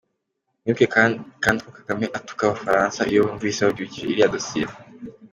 Mwibuke kandi uko Kagame atuka abafaransa, iyo yumvise babyukije iriya dossier.